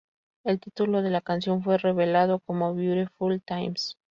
El título de la canción fue revelado como "Beautiful Times".